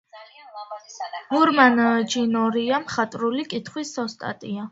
მურმან ჯინორია მხატვრული კითხვის ოსტატია.